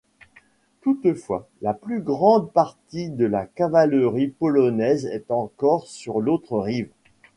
Toutefois, la plus grande partie de la cavalerie polonaise est encore sur l'autre rive.